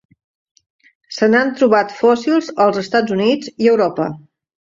Se n'han trobat fòssils als Estats Units i Europa.